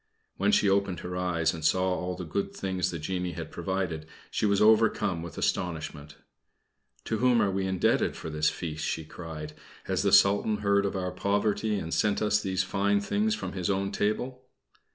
When she opened her eyes and saw all the good things the genie had provided, she was overcome with astonishment. "To whom are we indebted for this feast?" she cried. "Has the Sultan heard of our poverty and sent us these fine things from his own table?"